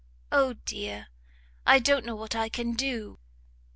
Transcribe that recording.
O dear! I don't know what I can do!